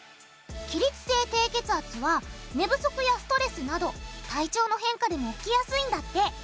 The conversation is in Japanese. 起立性低血圧は寝不足やストレスなど体調の変化でも起きやすいんだって。